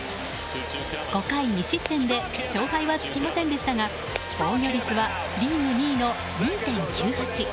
５回２失点で勝敗はつきませんでしたが防御率は、リーグ２位の２．９８。